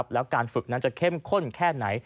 แล้วการฝึกนั้นจะเข้มข้นแค่ไหน